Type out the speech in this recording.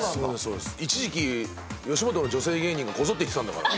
一時期吉本の女性芸人がこぞって行ってたんだから。